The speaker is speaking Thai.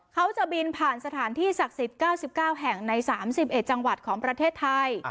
เขาจะบินผ่านสถานที่ศักดิ์สิทธิ์๙๙แห่งใน๓๑จังหวัดของประเทศไทย